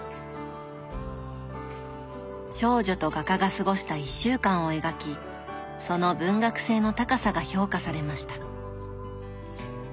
少女と画家が過ごした１週間を描きその文学性の高さが評価されました。